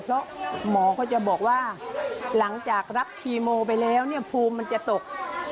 เพราะหมอก็จะบอกว่าหลังจากรับคีโมไปแล้วเนี่ยภูมิมันจะตก